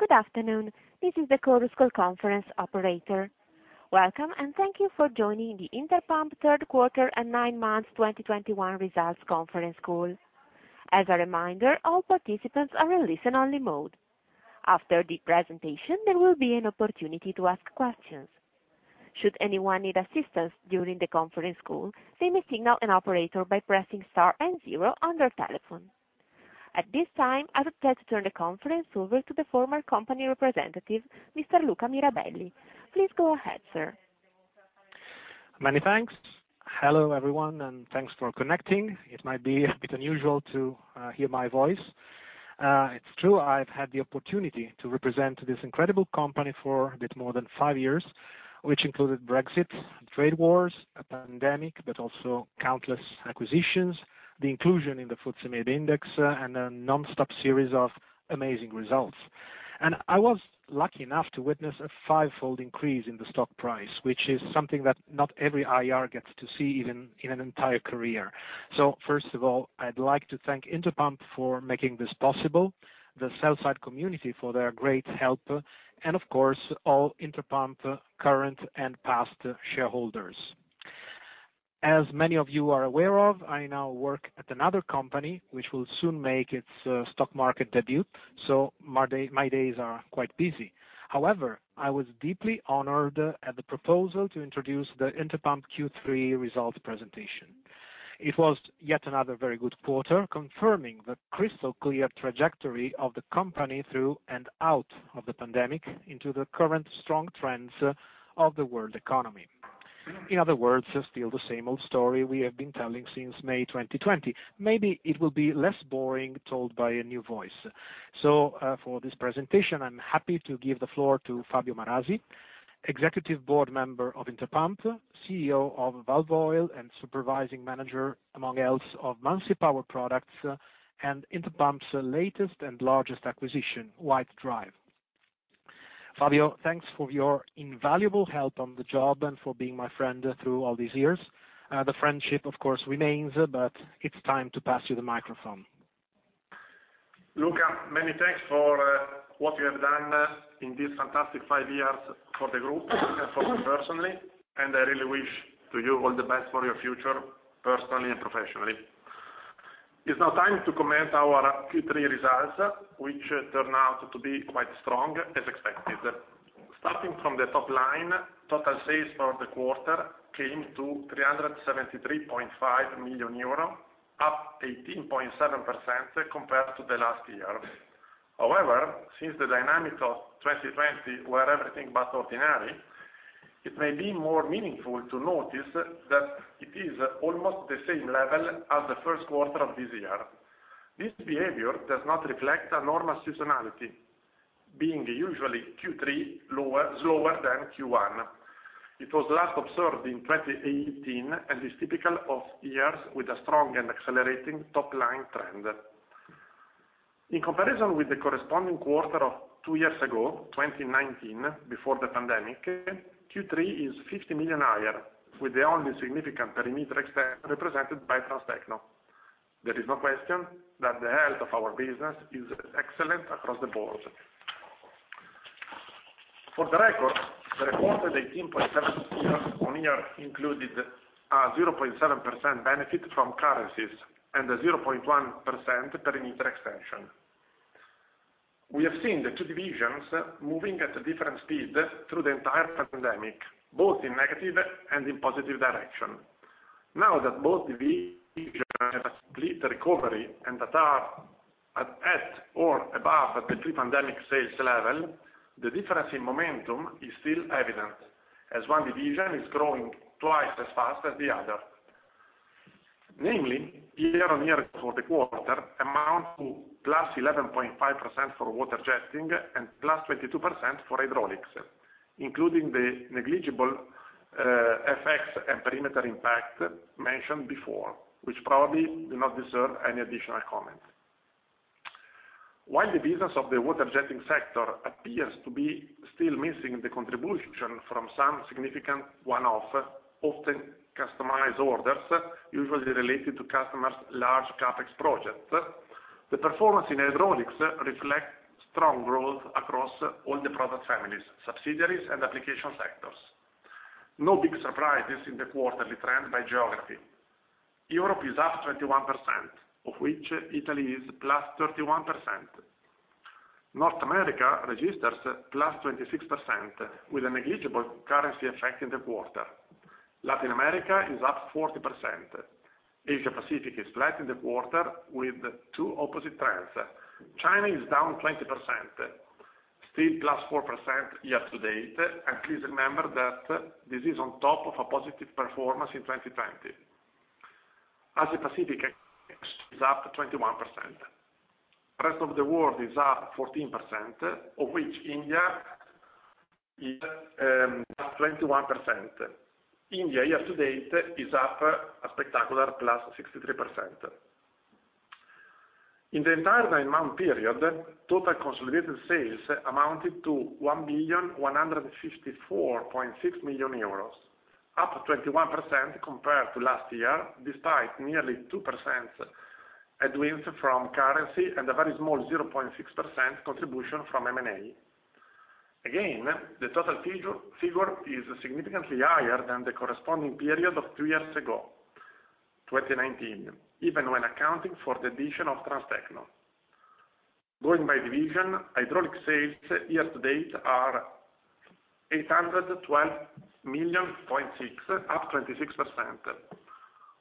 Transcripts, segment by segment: Good afternoon. This is the Chorus Call conference operator. Welcome, and thank you for joining the Interpump Third Quarter and Nine Months 2021 results conference call. As a reminder, all participants are in listen-only mode. After the presentation, there will be an opportunity to ask questions. Should anyone need assistance during the conference call, they may signal an operator by pressing star and zero on their telephone. At this time, I would like to turn the conference over to the formal company representative, Mr. Luca Mirabelli. Please go ahead, sir. Many thanks. Hello, everyone, and thanks for connecting. It might be a bit unusual to hear my voice. It's true, I've had the opportunity to represent this incredible company for a bit more than five years, which included Brexit, trade wars, a pandemic, but also countless acquisitions, the inclusion in the FTSE MIB Index, and a nonstop series of amazing results. I was lucky enough to witness a five-fold increase in the stock price, which is something that not every IR gets to see even in an entire career. First of all, I'd like to thank Interpump for making this possible, the sell side community for their great help, and of course, all Interpump current and past shareholders. As many of you are aware of, I now work at another company, which will soon make its stock market debut, so my days are quite busy. However, I was deeply honored at the proposal to introduce the Interpump Q3 results presentation. It was yet another very good quarter, confirming the crystal-clear trajectory of the company through and out of the pandemic into the current strong trends of the world economy. In other words, still the same old story we have been telling since May 2020. Maybe it will be less boring told by a new voice. For this presentation, I'm happy to give the floor to Fabio Marasi, Executive Board Member of Interpump, CEO of Walvoil, and supervising manager, among others, of Muncie Power Products and Interpump's latest and largest acquisition, White Drive. Fabio, thanks for your invaluable help on the job and for being my friend through all these years. The friendship, of course, remains, but it's time to pass you the microphone. Luca, many thanks for what you have done in these fantastic five years for the group and for me personally, and I really wish to you all the best for your future, personally and professionally. It's now time to comment our Q3 results, which turn out to be quite strong as expected. Starting from the top line, total sales for the quarter came to 373.5 million euro, up 18.7% compared to the last year. However, since the dynamics of 2020 were everything but ordinary, it may be more meaningful to notice that it is almost the same level as the Q1 of this year. This behavior does not reflect a normal seasonality, being usually Q3 slower than Q1. It was last observed in 2018 and is typical of years with a strong and accelerating top line trend. In comparison with the corresponding quarter of two years ago, 2019, before the pandemic, Q3 is 50 million higher, with the only significant perimeter extension represented by Transtecno. There is no question that the health of our business is excellent across the board. For the record, the reported 18.7% year-on-year included a 0.7% benefit from currencies and a 0.1% perimeter extension. We have seen the two divisions moving at a different speed through the entire pandemic, both in negative and in positive direction. Now that both divisions have a complete recovery and that are at or above the pre-pandemic sales level, the difference in momentum is still evident, as one division is growing twice as fast as the other. Namely, year-on-year for the quarter amount to +11.5% for water jetting and +22% for hydraulics, including the negligible effects and perimeter impact mentioned before, which probably do not deserve any additional comment. While the business of the water jetting sector appears to be still missing the contribution from some significant one-off, often customized orders, usually related to customers' large CapEx projects, the performance in hydraulics reflects strong growth across all the product families, subsidiaries and application sectors. No big surprises in the quarterly trend by geography. Europe is up 21%, of which Italy is +31%. North America registers +26%, with a negligible currency effect in the quarter. Latin America is up 40%. Asia Pacific is flat in the quarter, with two opposite trends. China is down 20%, still +4% year to date. Please remember that this is on top of a positive performance in 2020. Asia Pacific is up 21%. Rest of the world is up 14%, of which India is at 21%. India year to date is up a spectacular +63%. In the entire nine-month period, total consolidated sales amounted to 1,154.6 million euros. Up 21% compared to last year, despite nearly 2% headwinds from currency and a very small 0.6% contribution from M&A. Again, the total figure is significantly higher than the corresponding period of two years ago, 2019, even when accounting for the addition of Transtecno. Going by division, Hydraulics sales year to date are 812.6 million, up 26%.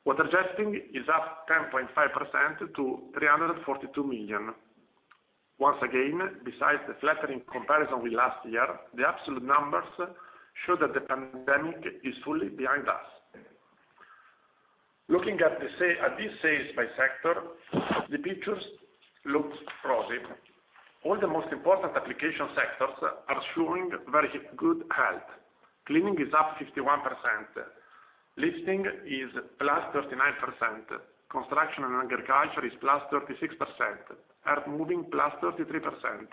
Water jetting is up 10.5% to 342 million. Once again, besides the flattering comparison with last year, the absolute numbers show that the pandemic is fully behind us. Looking at these sales by sector, the picture looks rosy. All the most important application sectors are showing very good health. Cleaning is up 51%, lifting is plus 39%, construction and agriculture is plus 36%, earth moving plus 33%,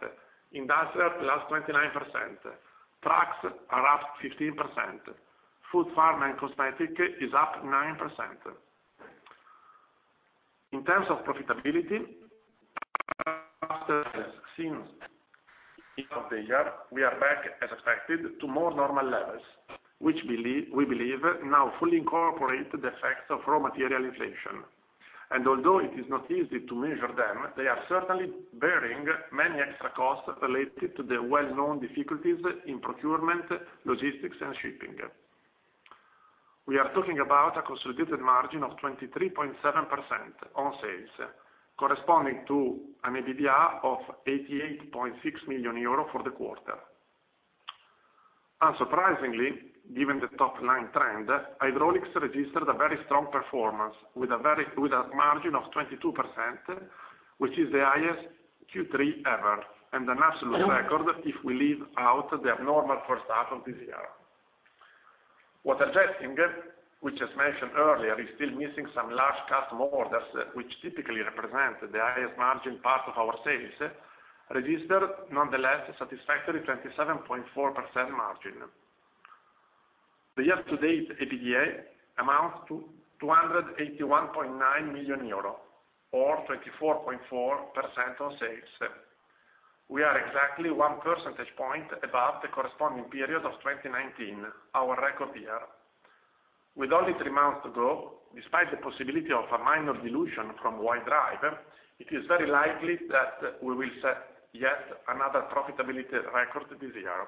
industrial plus 29%, trucks are up 15%, food, pharma, and cosmetic is up 9%. In terms of profitability, since beginning of the year, we are back as expected to more normal levels, which we believe now fully incorporate the effects of raw material inflation. Although it is not easy to measure them, they are certainly bearing many extra costs related to the well-known difficulties in procurement, logistics and shipping. We are talking about a consolidated margin of 23.7% on sales, corresponding to an EBITDA of 88.6 million euro for the quarter. Unsurprisingly, given the top line trend, hydraulics registered a very strong performance with a margin of 22%, which is the highest Q3 ever, and an absolute record if we leave out the abnormal first half of this year. Water jetting, which as mentioned earlier is still missing some large customer orders, which typically represent the highest margin part of our sales, registered nonetheless a satisfactory 27.4% margin. The year to date EBITDA amounts to 281.9 million euro or 24.4% on sales. We are exactly 1 percentage point above the corresponding period of 2019, our record year. With only three months to go, despite the possibility of a minor dilution from White Drive, it is very likely that we will set yet another profitability record this year.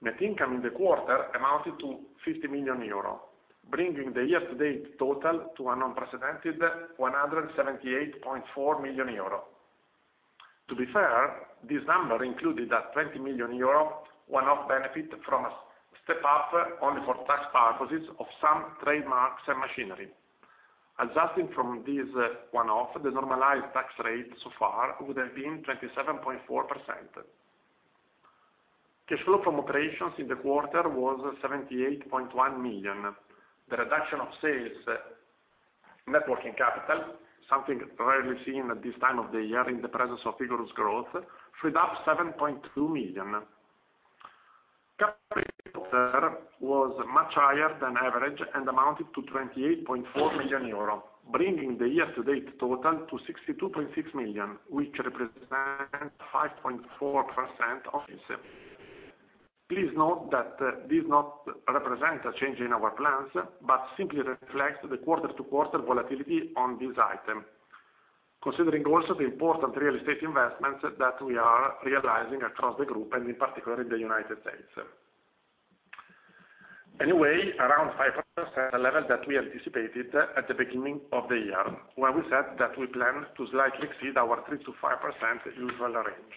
Net income in the quarter amounted to 50 million euro, bringing the year to date total to an unprecedented 178.4 million euro. To be fair, this number included a 20 million euro one-off benefit from a step up only for tax purposes of some trademarks and machinery. Adjusting from this one-off, the normalized tax rate so far would have been 27.4%. Cash flow from operations in the quarter was 78.1 million. The reduction in net working capital, something rarely seen at this time of the year in the presence of vigorous growth, freed up 7.2 million. Net working capital was much higher than average and amounted to 28.4 million euro, bringing the year to date total to 62.6 million, which represents 5.4% of this. Please note that this does not represent a change in our plans, but simply reflects the quarter-to-quarter volatility on this item. Considering also the important real estate investments that we are realizing across the group and in particular in the United States. Anyway, around 5%, a level that we anticipated at the beginning of the year, when we said that we plan to slightly exceed our 3%-5% usual range.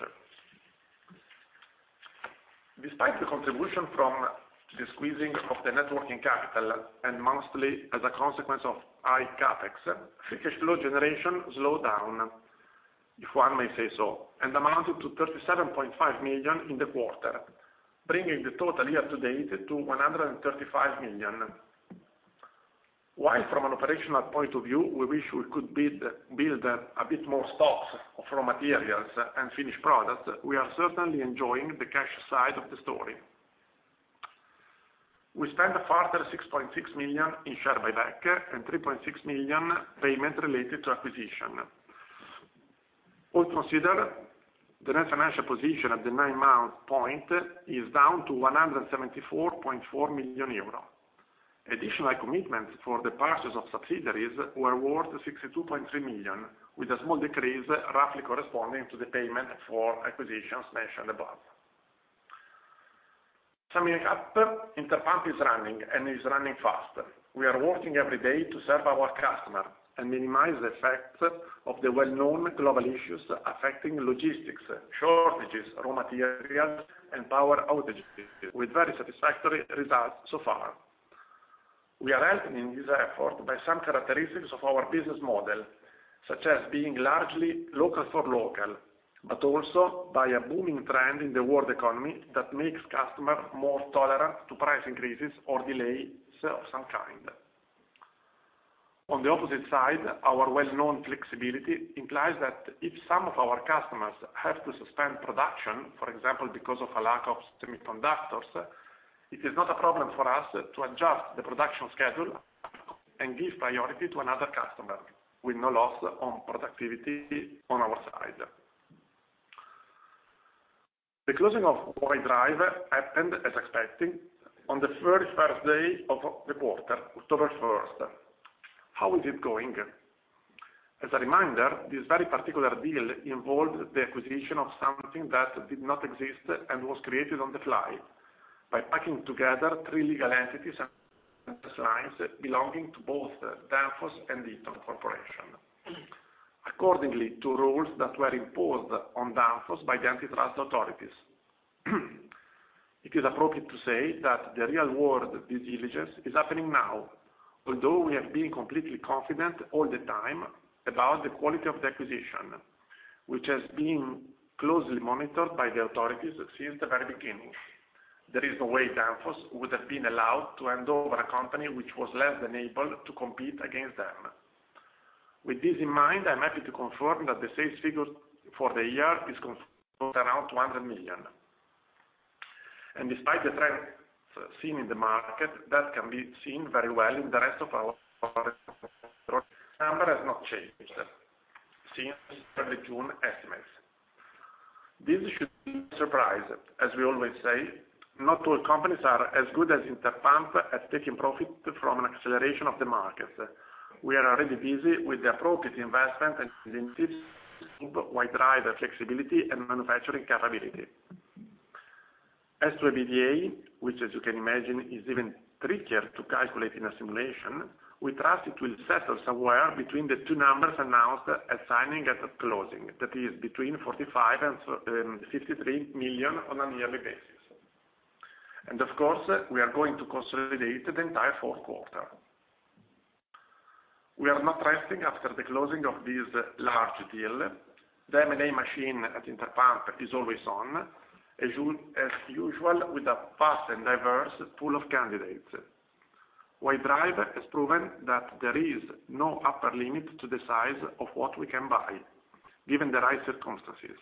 Despite the contribution from the squeezing of the working capital and mostly as a consequence of high CapEx, free cash flow generation slowed down, if one may say so, and amounted to 37.5 million in the quarter, bringing the total year to date to 135 million. While from an operational point of view, we wish we could build a bit more stocks of raw materials and finished products, we are certainly enjoying the cash side of the story. We spent a further 6.6 million in share buyback and 3.6 million payment related to acquisition. All considered, the net financial position at the nine-month point is down to 174.4 million euro. Additional commitments for the purchase of subsidiaries were worth 62.3 million, with a small decrease roughly corresponding to the payment for acquisitions mentioned above. Summing up, Interpump is running faster. We are working every day to serve our customer and minimize the effects of the well-known global issues affecting logistics, shortages, raw materials, and power outages with very satisfactory results so far. We are helping this effort by some characteristics of our business model, such as being largely local for local, but also by a booming trend in the world economy that makes customers more tolerant to price increases or delays of some kind. On the opposite side, our well-known flexibility implies that if some of our customers have to suspend production, for example, because of a lack of semiconductors, it is not a problem for us to adjust the production schedule and give priority to another customer with no loss on productivity on our side. The closing of White Drive happened as expected on the very first day of the quarter, October 1. How is it going? As a reminder, this very particular deal involved the acquisition of something that did not exist and was created on the fly, by packing together three legal entities and signs belonging to both Danfoss and Eaton Corporation, accordingly to rules that were imposed on Danfoss by the antitrust authorities. It is appropriate to say that the real world due diligence is happening now, although we have been completely confident all the time about the quality of the acquisition, which has been closely monitored by the authorities since the very beginning. There is no way Danfoss would have been allowed to hand over a company which was less than able to compete against them. With this in mind, I'm happy to confirm that the sales figures for the year is confirmed around 200 million. Despite the trends seen in the market, that can be seen very well, the rest of our numbers have not changed since early June estimates. This should not surprise, as we always say, not all companies are as good as Interpump at taking profit from an acceleration of the markets. We are already busy with the appropriate investment and initiatives to improve White Drive flexibility and manufacturing capability. As to EBITDA, which as you can imagine, is even trickier to calculate in a simulation, we trust it will settle somewhere between the two numbers announced at signing and closing. That is between 45 million and 53 million on a yearly basis. Of course, we are going to consolidate the entire Q4. We are not resting after the closing of this large deal. The M&A machine at Interpump is always on, as usual, with a fast and diverse pool of candidates. White Drive has proven that there is no upper limit to the size of what we can buy, given the right circumstances.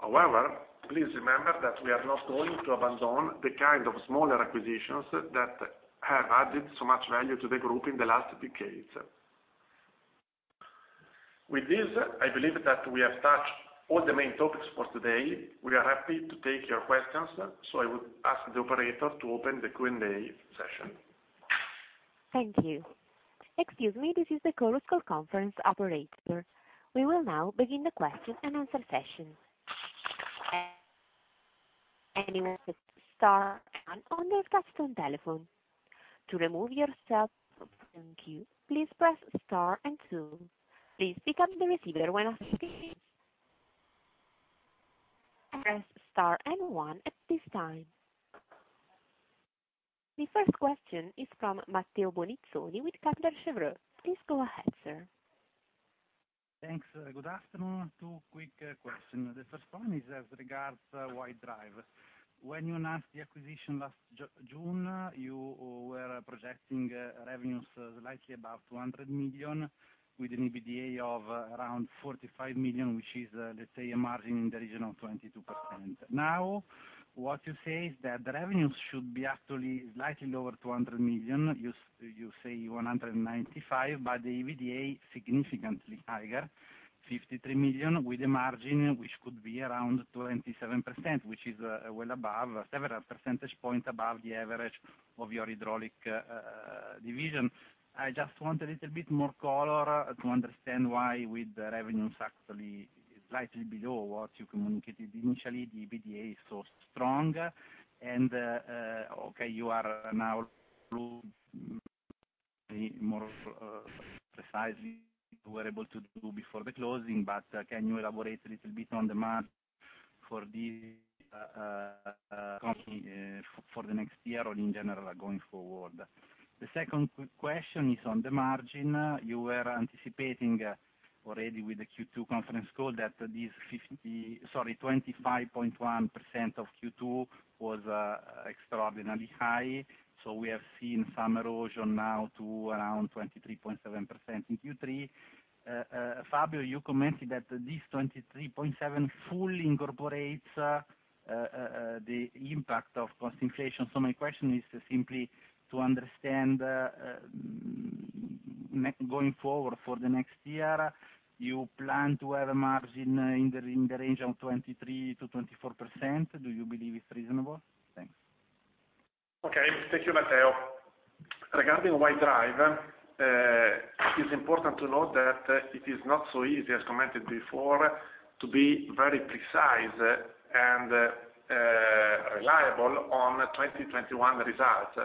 However, please remember that we are not going to abandon the kind of smaller acquisitions that have added so much value to the group in the last decades. With this, I believe that we have touched all the main topics for today. We are happy to take your questions, so I would ask the operator to open the Q&A session. Thank you. Excuse me, this is the Chorus Call conference operator. We will now begin the question and answer session. Anyone press star one on their touch-tone telephone. To remove yourself from queue, please press star two. Please pick up the receiver when pressing star one at this time. The first question is from Matteo Bonizzoni with Kepler Cheuvreux. Please go ahead, sir. Thanks. Good afternoon. Two quick question. The first one is as regards White Drive. When you announced the acquisition last June, you were projecting revenues slightly above 200 million with an EBITDA of around 45 million, which is let's say a margin in the region of 22%. Now, what you say is that the revenues should be actually slightly lower, 200 million, you say 195 million, but the EBITDA significantly higher, 53 million, with a margin which could be around 27%, which is well above, several percentage points above the average of your hydraulics division. I just want a little bit more color to understand why with the revenues actually slightly lower than what you communicated initially, the EBITDA is so strong. Okay, you are now able to do more precisely than you were able to do before the closing, but can you elaborate a little bit on demand for this company for the next year or in general going forward? The second quick question is on the margin. You were anticipating already with the Q2 conference call that this 25.1% of Q2 was extraordinarily high. We have seen some erosion now to around 23.7% in Q3. Fabio, you commented that this 23.7% fully incorporates the impact of cost inflation. My question is simply to understand, going forward for the next year, you plan to have a margin in the range of 23% to 24%. Do you believe it is reasonable? Thanks. Okay. Thank you, Matteo. Regarding White Drive, it's important to note that it is not so easy, as commented before, to be very precise and reliable on 2021 results.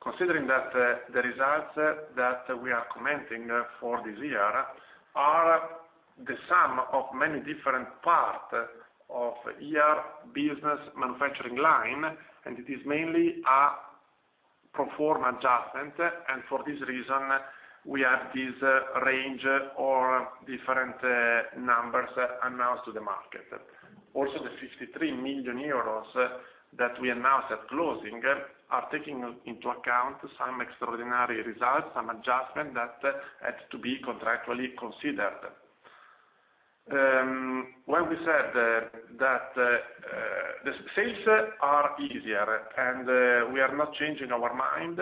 Considering that, the results that we are commenting for this year are the sum of many different parts of year business manufacturing line, and it is mainly a pro forma adjustment. For this reason, we have this range or different numbers announced to the market. Also, the 53 million euros that we announced at closing are taking into account some extraordinary results, some adjustment that had to be contractually considered. When we said that, the sales are easier and we are not changing our mind,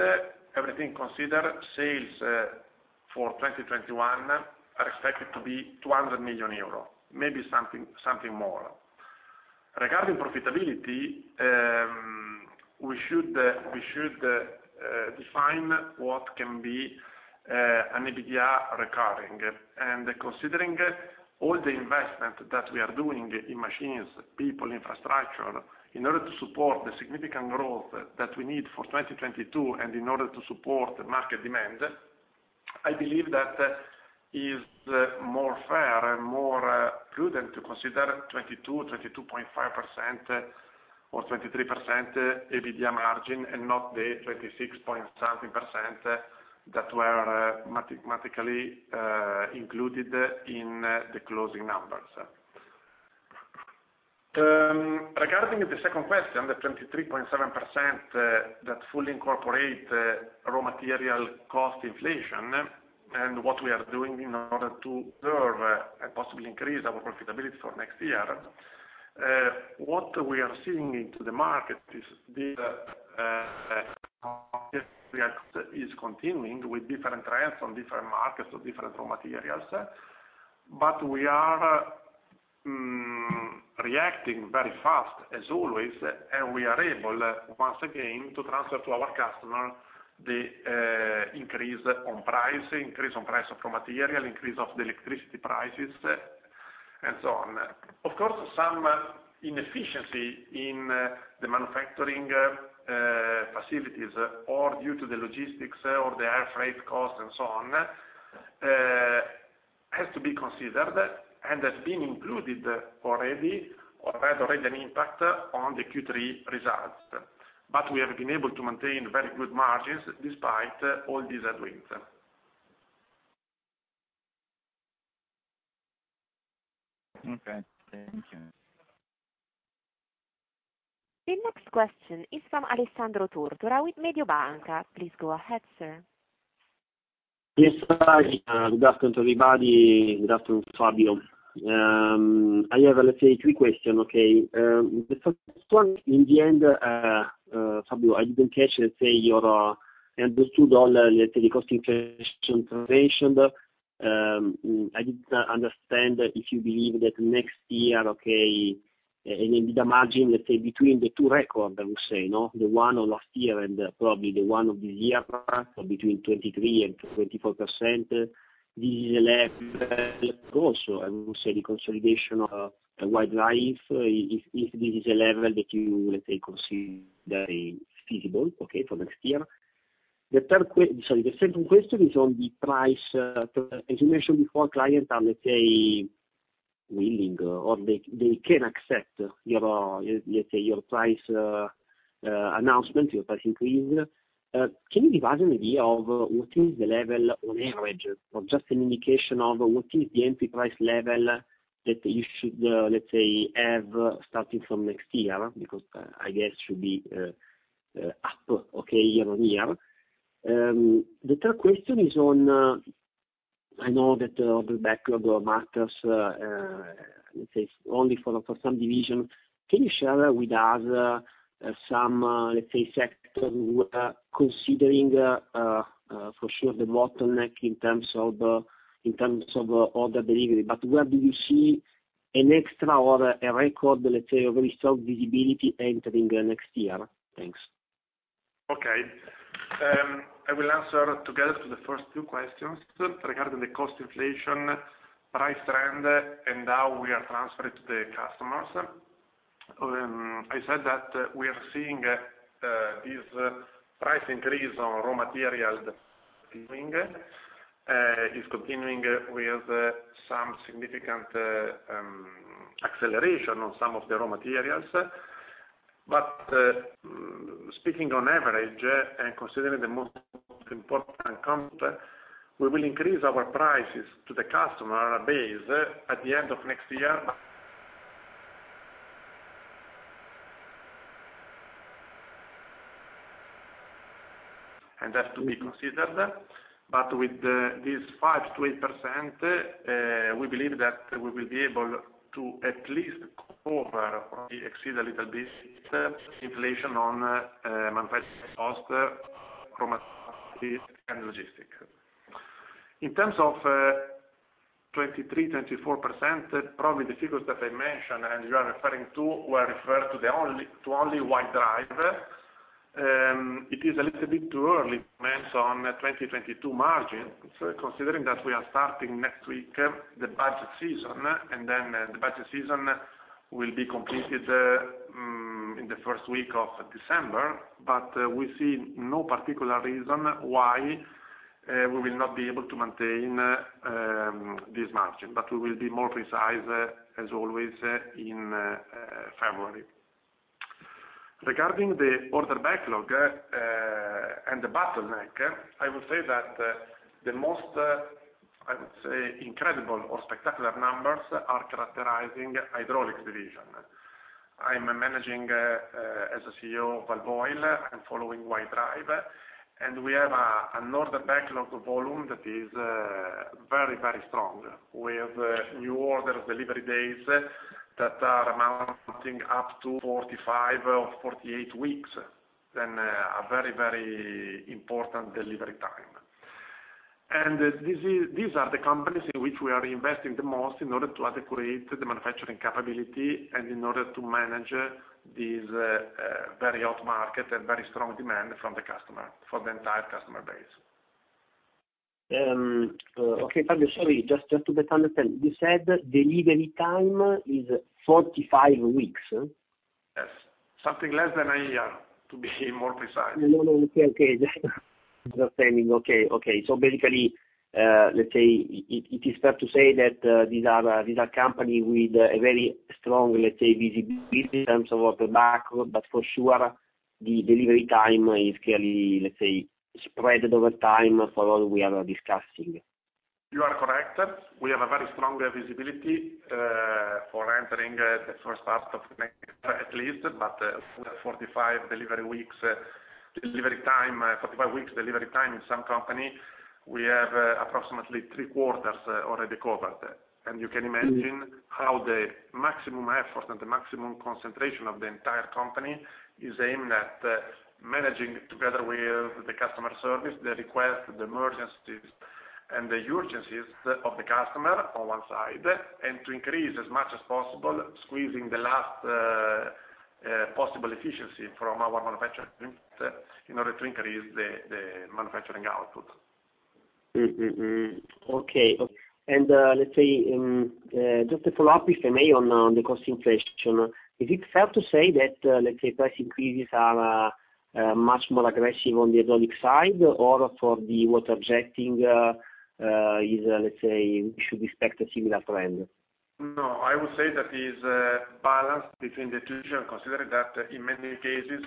everything considered, sales for 2021 are expected to be 200 million euro, maybe something more. Regarding profitability, we should define what can be an EBITDA recurring. Considering all the investment that we are doing in machines, people, infrastructure, in order to support the significant growth that we need for 2022, and in order to support the market demand, I believe that is more fair and more prudent to consider 22.5% or 23% EBITDA margin and not the 26%-something that were mathematically included in the closing numbers. Regarding the second question, the 23.7% that fully incorporate raw material cost inflation and what we are doing in order to preserve and possibly increase our profitability for next year, what we are seeing in the market is continuing with different trends on different markets or different raw materials. We are reacting very fast as always, and we are able once again to transfer to our customer the increase on price of raw material, increase of the electricity prices, and so on. Of course, some inefficiency in the manufacturing facilities or due to the logistics or the air freight costs and so on has to be considered and has been included already or had already an impact on the Q3 results. We have been able to maintain very good margins despite all these headwinds. Okay. Thank you. The next question is from Alessandro Tortora with Mediobanca. Please go ahead, sir. Yes. Hi. Good afternoon, everybody. Good afternoon, Fabio. I have, let's say, three questions, okay? The first one, in the end, Fabio, I didn't catch, let's say, your. I understood all the cost inflation translation. I didn't understand if you believe that next year, okay, and EBITDA margin, let's say, between the two records, I would say, no, the one of last year and probably the one of this year, between 23% and 24%. This is a level also, I would say, the consolidation of White Drive, if this is a level that you, let's say, consider feasible, okay, for next year. Sorry, the second question is on the price. As you mentioned before, clients are, let's say, willing or they can accept your price announcement, your price increase. Can you give us an idea of what is the level on average, or just an indication of what is the entry price level that you should, let's say, have starting from next year? Because I guess it should be up year on year. The third question is on, I know that the backlog that matters, let's say only for some division. Can you share with us some, let's say, sectors that are considering for sure the bottleneck in terms of order delivery, but where do you see an extra order, a record, let's say, of very strong visibility entering next year? Thanks. Okay. I will answer together to the first two questions regarding the cost inflation, price trend, and how we are transferring to the customers. I said that we are seeing this price increase on raw material is continuing with some significant acceleration on some of the raw materials. Speaking on average and considering the most important count, we will increase our prices to the customer base at the end of next year. That's to be considered. With this 5% to 8%, we believe that we will be able to at least cover or exceed a little bit inflation on manufacturing cost from raw and logistics. In terms of 23%-24%, probably the figures that I mentioned and you are referring to were referred only to White Drive. It is a little bit too early to comment on 2022 margin, considering that we are starting next week the budget season, and then the budget season will be completed in the first week of December. We see no particular reason why we will not be able to maintain this margin, but we will be more precise as always in February. Regarding the order backlog and the bottleneck, I will say that the most I would say incredible or spectacular numbers are characterizing Hydraulics division. I'm managing as a CEO of Walvoil and following White Drive, and we have an enormous backlog volume that is very, very strong. We have new order delivery days that are amounting up to 45 or 48 weeks, and a very, very important delivery time. These are the companies in which we are investing the most in order to adequate the manufacturing capability and in order to manage this very hot market and very strong demand for the entire customer base. Okay, Fabio, sorry. Just to better understand. You said delivery time is 45 weeks? Yes. Something less than a year, to be more precise. No, no, it's okay. Understood. Okay, okay. Basically, let's say it is fair to say that these are companies with a very strong, let's say, visibility in terms of order backlog, but for sure the delivery time is clearly, let's say, spread over time for all we are discussing. You are correct. We have a very strong visibility for entering the first part of next year at least, but 45 weeks delivery time in some company. We have approximately three quarters already covered. You can imagine how the maximum effort and the maximum concentration of the entire company is aimed at managing together with the customer service the request, the emergencies, and the urgencies of the customer on one side, and to increase as much as possible, squeezing the last possible efficiency from our manufacturing in order to increase the manufacturing output. Just a follow-up, if I may, on the cost inflation. Is it fair to say that, let's say, price increases are much more aggressive on the hydraulic side or for the water jetting, let's say, we should expect a similar trend? No, I would say that is balanced between the two. Considering that in many cases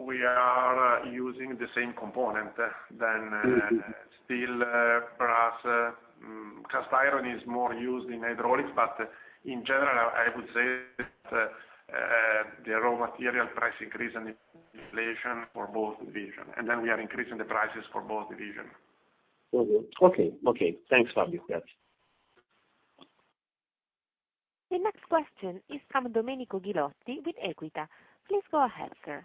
we are using the same component than steel, brass, cast iron is more used in hydraulics, but in general, I would say that the raw material price increase and inflation for both division, and then we are increasing the prices for both division. Okay. Thanks, Fabio. Yeah. The next question is from Domenico Ghilotti with Equita. Please go ahead, sir.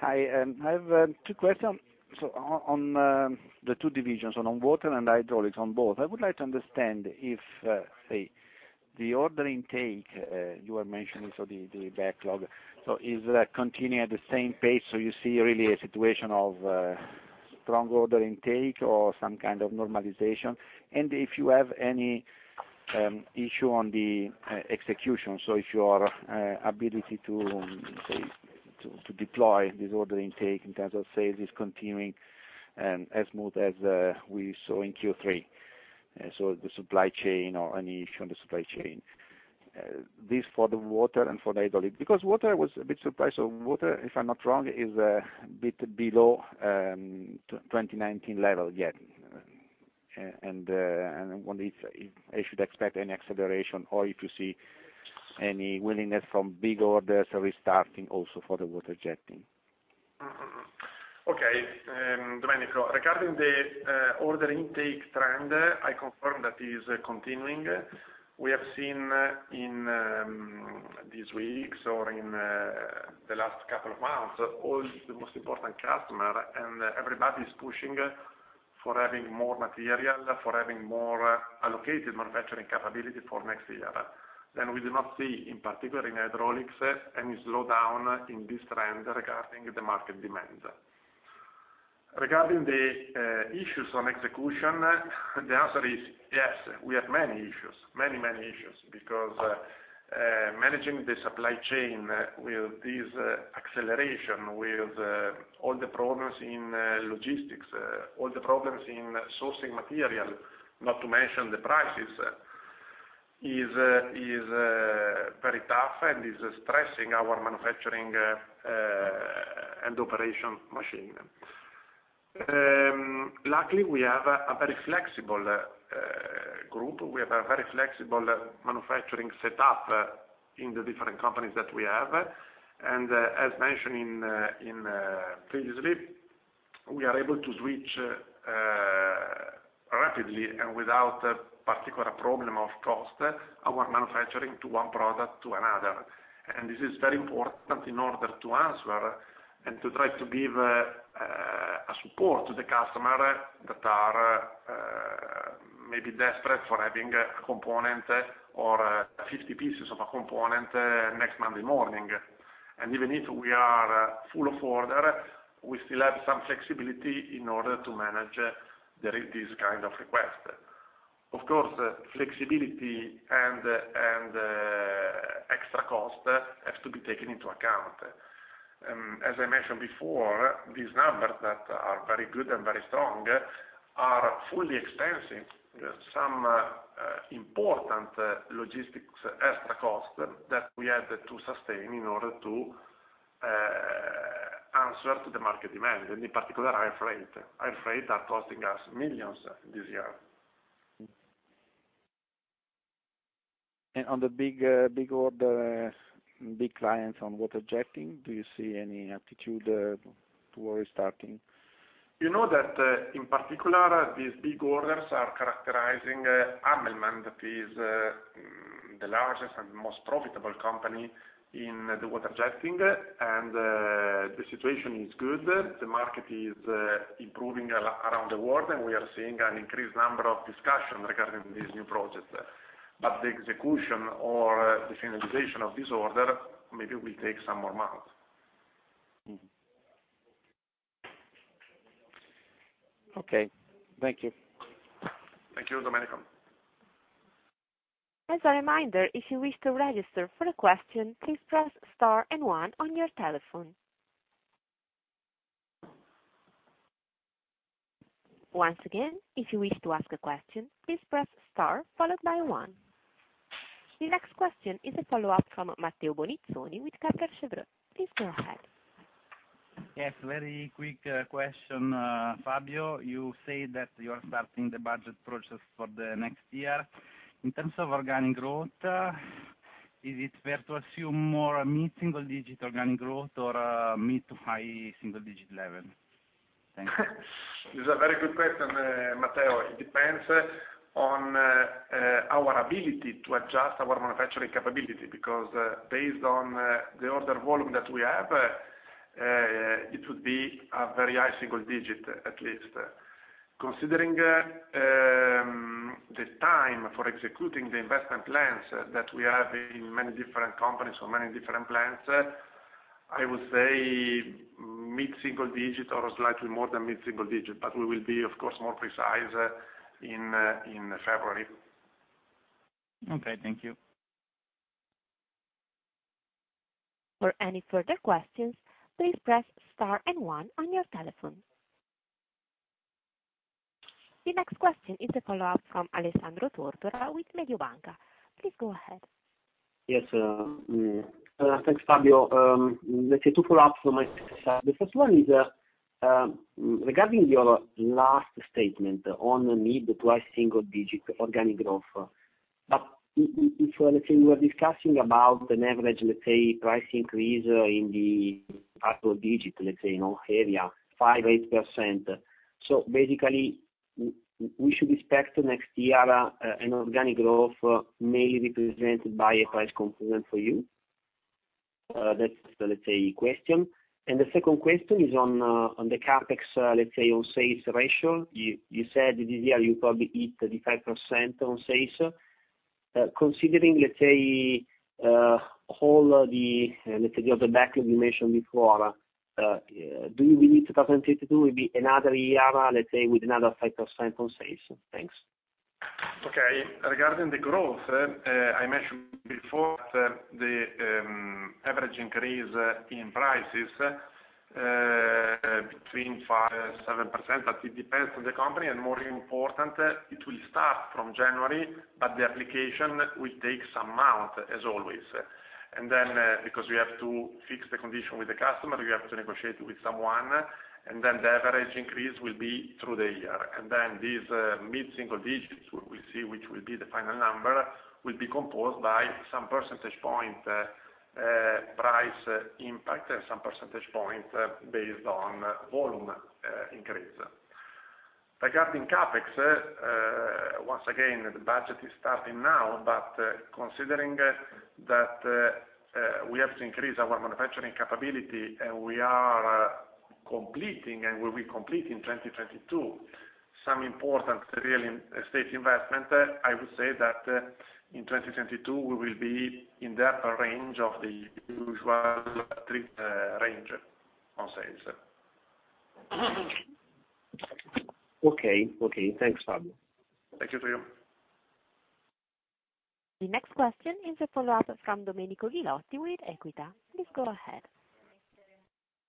Hi, I have two questions. On the two divisions, on Water and Hydraulics both, I would like to understand if say the order intake you were mentioning, the backlog. Is that continuing at the same pace? You see really a situation of strong order intake or some kind of normalization? And if you have any issue on the execution, if your ability to say to deploy this order intake in terms of sales is continuing as smooth as we saw in Q3. The supply chain or any issue on the supply chain. This for the Water and for the Hydraulics. Because Water, I was a bit surprised. Water, if I'm not wrong, is a bit below 2019 level yet. I wonder if I should expect any acceleration or if you see any willingness from big orders restarting also for the water jetting. Okay. Domenico, regarding the order intake trend, I confirm that is continuing. We have seen in these weeks or in the last couple of months, all the most important customer and everybody is pushing for having more material, for having more allocated manufacturing capability for next year. We do not see, in particular in hydraulics, any slowdown in this trend regarding the market demand. Regarding the issues on execution, the answer is yes. We have many issues, because managing the supply chain with this acceleration, with all the problems in logistics, all the problems in sourcing material, not to mention the prices, is very tough and is stressing our manufacturing and operation machine. Luckily, we have a very flexible group. We have a very flexible manufacturing setup in the different companies that we have. As mentioned previously, we are able to switch rapidly and without a particular problem of cost our manufacturing to one product to another. This is very important in order to answer and to try to give a support to the customer that are maybe desperate for having a component or 50 pieces of a component next Monday morning. Even if we are full of order, we still have some flexibility in order to manage this kind of request. Of course, flexibility and extra cost has to be taken into account. As I mentioned before, these numbers that are very good and very strong are fully expensing some important logistics extra cost that we had to sustain in order to answer to the market demand, and in particular air freight. Air freight are costing us millions this year. Mm-hmm. On the big order, big clients on water jetting, do you see any appetite towards starting? You know that in particular these big orders are characterizing Hammelmann that is the largest and most profitable company in the water jetting. The situation is good. The market is improving around the world and we are seeing an increased number of discussions regarding these new projects. The execution or the finalization of this order maybe will take some more months. Okay. Thank you. Thank you, Domenico. As a reminder, if you wish to register for a question, please press star and one on your telephone. Once again, if you wish to ask a question, please press star followed by one. The next question is a follow-up from Matteo Bonizzoni with Kepler Cheuvreux. Please go ahead. Yes, very quick question, Fabio. You say that you are starting the budget process for the next year. In terms of organic growth, is it fair to assume more mid-single digit organic growth or, mid to high single digit level? Thanks. It's a very good question, Matteo. It depends on our ability to adjust our manufacturing capability, because based on the order volume that we have, it would be a very high single digit at least. Considering the time for executing the investment plans that we have in many different companies or many different plants, I would say mid-single digit or slightly more than mid-single digit, but we will be, of course, more precise in February. Okay, thank you. For any further questions please press and one in your telephone. The next question is a follow-up from Alessandro Tortora with Mediobanca. Please go ahead. Yes, thanks, Fabio. Let's say two follow-ups from my side. The first one is regarding your last statement on the mid- to high-single-digit organic growth. If let's say you were discussing about an average, let's say, price increase in the upper digit, let's say, you know, area, 5-8%. Basically, we should expect next year an organic growth mainly represented by a price component for you? That's the, let's say, question. The second question is on the CapEx, let's say, on sales ratio. You said this year you probably hit 35% on sales. Considering, let's say, all the, let's say, all the backlog you mentioned before, do you believe 2022 will be another year, let's say, with another 5% on sales? Thanks. Okay. Regarding the growth, I mentioned before that the average increase in prices between 5% to 7%, but it depends on the company, and more important, it will start from January, but the application will take some month as always. Then, because we have to fix the condition with the customer, we have to negotiate with someone, and then the average increase will be through the year. Then these mid-single digits, we will see which will be the final number, will be composed by some percentage point price impact and some percentage point based on volume increase. Regarding CapEx, once again, the budget is starting now, but considering that we have to increase our manufacturing capability and we are completing and will be completing in 2022 some important real estate investment, I would say that in 2022 we will be in that range of the usual 3% range on sales. Okay. Thanks, Fabio. Thank you. The next question is a follow-up from Domenico Ghilotti with Equita. Please go ahead.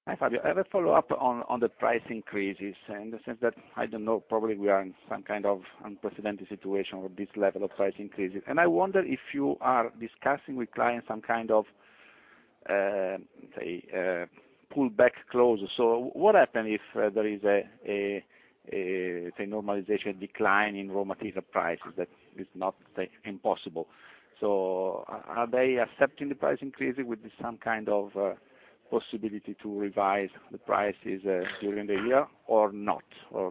Hi, Fabio. I have a follow-up on the price increases in the sense that, I don't know, probably we are in some kind of unprecedented situation with this level of price increases. I wonder if you are discussing with clients some kind of, say, pull back clause. What happen if there is a, say, normalization decline in raw material prices that is not, say, impossible? Are they accepting the price increase with some kind of, possibility to revise the prices, during the year or not?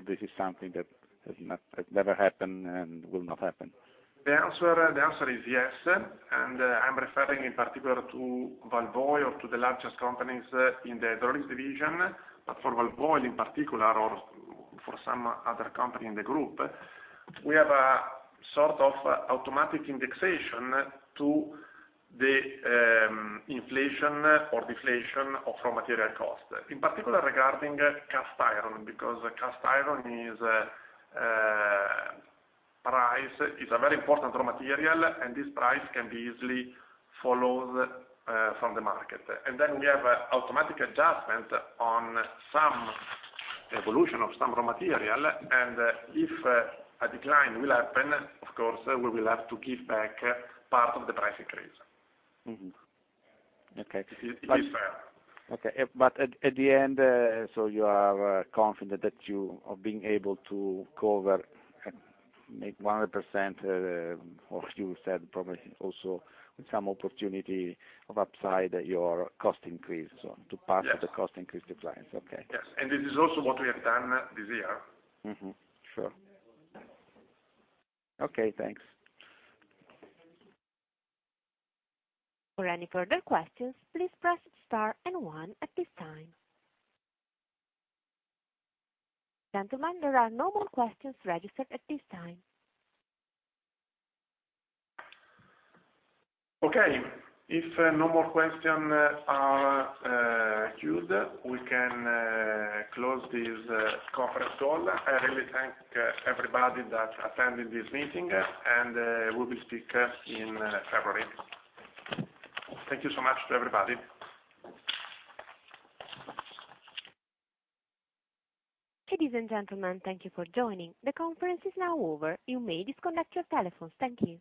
This is something that has never happened and will not happen. The answer is yes. I'm referring in particular to Walvoil or to the largest companies in the Hydraulics division. For Walvoil in particular or for some other company in the group, we have a sort of automatic indexation to the inflation or deflation of raw material costs. In particular regarding cast iron, because cast iron is a very important raw material, and this price can be easily followed from the market. We have automatic adjustment on some evolution of some raw material. If a decline will happen, of course, we will have to give back part of the price increase. Mm-hmm. Okay. It is fair. Okay. At the end, you are confident that you are being able to cover maybe 100%, or you said probably also with some opportunity of upside your cost increase, or to pass- Yes. The cost increase to clients. Okay. Yes. This is also what we have done this year. Sure. Okay, thanks. For any further questions, please press star and one at this time. Gentlemen, there are no more questions registered at this time. Okay. If no more questions are queued, we can close this conference call. I really thank everybody that attended this meeting, and we will speak in February. Thank you so much to everybody. Ladies and gentlemen, thank you for joining. The conference is now over. You may disconnect your telephones. Thank you.